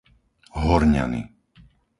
Horňany